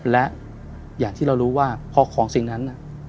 และอย่างที่เรารู้ว่าพอของสิ่งนั้น